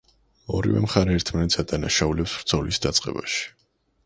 ორივე მხარე ერთმანეთს ადანაშაულებს ბრძოლის დაწყებაში.